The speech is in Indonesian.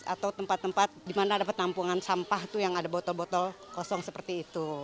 atau tempat tempat di mana ada penampungan sampah itu yang ada botol botol kosong seperti itu